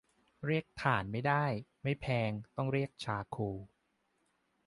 เรียก ถ่าน ไม่ได้ ไม่แพง ต้องเรียก ชาร์โคล